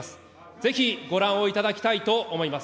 ぜひご覧をいただきたいと思います。